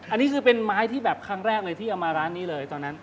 อันนี้คือเป็นไม้ที่แบบครั้งแรกเลยที่เอามาร้านนี้เลยตอนนั้น